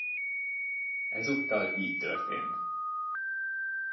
Ezúttal így történt.